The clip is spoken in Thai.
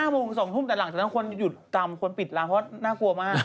๒ทุ่มแต่หลังจากนั้นคนหยุดตามคนปิดร้านเพราะน่ากลัวมาก